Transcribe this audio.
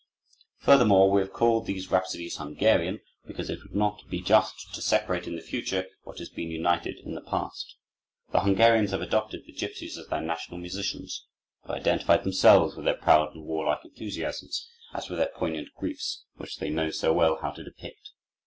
"Furthermore, we have called these Rhapsodies 'Hungarian' because it would not be just to separate in the future what has been united in the past. The Hungarians have adopted the gipsies as their national musicians. They have identified themselves with their proud and warlike enthusiasms, as with their poignant griefs, which they know so well how to depict.